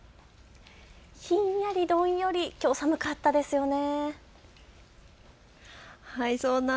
ひんやりどんよりきょう寒かったですよね。